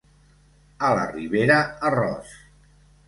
A la Ribera, arròs.